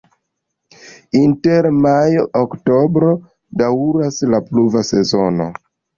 Inter majo-oktobro daŭras la pluva sezono.